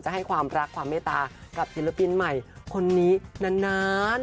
ให้ความรักความเมตตากับศิลปินใหม่คนนี้นาน